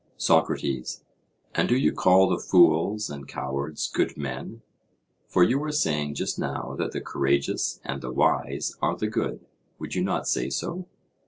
SOCRATES: And do you call the fools and cowards good men? For you were saying just now that the courageous and the wise are the good—would you not say so?